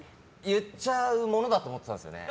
言っちゃうものだと思っていたんですよね。